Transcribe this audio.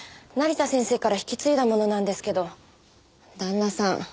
成田先生から引き継いだものなんですけど旦那さん